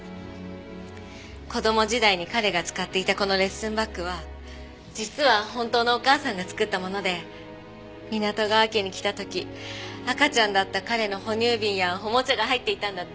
子供時代に彼が使っていたこのレッスンバッグは実は本当のお母さんが作ったもので湊川家に来た時赤ちゃんだった彼の哺乳瓶やおもちゃが入っていたんだって。